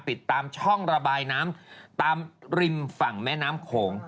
ติดตามช่องระบายน้ำตามริมฝั่งแม่น้ำโขง